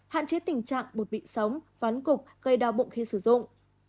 hạn chế tình trạng bột bị sóng ván cục gây đau bụng khi sử dụng